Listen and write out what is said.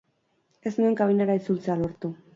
Ez nuen kabinara itzultzea lortu.